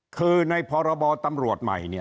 คือในพรบตรัมรวจใหม่